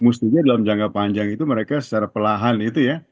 mestinya dalam jangka panjang itu mereka secara perlahan itu ya